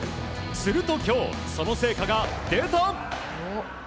すると、今日その成果が出た！